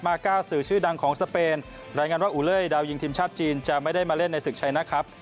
ก้าสื่อชื่อดังของสเปนรายงานว่าอูเล่ดาวยิงทีมชาติจีนจะไม่ได้มาเล่นในศึกชัยนะครับ